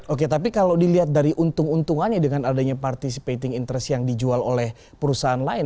oke tapi kalau dilihat dari untung untungannya dengan adanya participating interest yang dijual oleh perusahaan lain